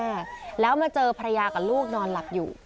แล้วคุณกลับมาเจอภรรยากับลูกนอนหลับอยู่